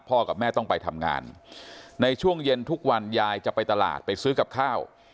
กับแม่ต้องไปทำงานในช่วงเย็นทุกวันยายจะไปตลาดไปซื้อกับข้าว